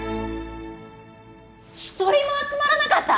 １人も集まらなかった！？